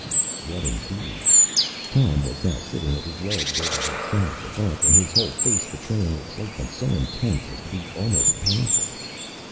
” What indeed? Tom was now sitting with his legs over the side of the bunk, and his whole face betraying excitement so intense as to be almost painful.